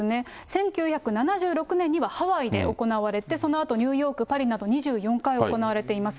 １９７６年にはハワイで行われて、そのあとニューヨーク、パリなど、２４回行われています。